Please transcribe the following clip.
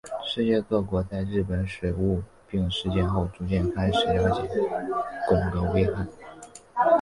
世界各国在日本水俣病事件后逐渐开始了解汞的危害。